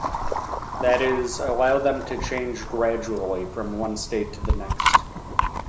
That is, allow them to change gradually from one state to the next.